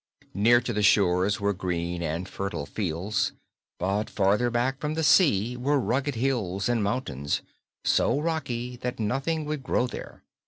Near to the shores were green and fertile fields, but farther back from the sea were rugged hills and mountains, so rocky that nothing would grow there.